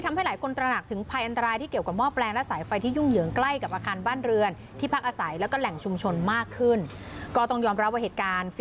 ทำให้หลายคนตระหนักถึงภัยอันตรายที่เกี่ยวกับหม้อแปลงและสายไฟที่ยุ่งเหยิงใกล้กับอาคารบ้านเรือนที่พักอาศัยแล้วก็แหล่งชุมชนมากขึ้นก็ต้องยอมรับว่าเหตุการณ์